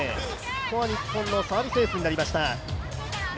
ここは日本のサービスエースになりました。